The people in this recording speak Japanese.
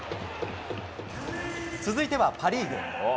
続いてはパ・リーグ。